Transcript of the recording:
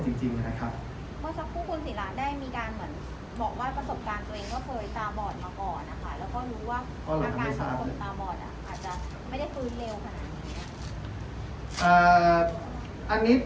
แล้วก็รู้ว่าอาการสำหรับคนตาบอดอ่ะอาจจะไม่ได้ฟื้นเร็วขนาดนี้